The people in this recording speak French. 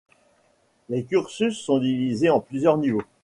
Les cursus sont divisés en plusieurs niveaux.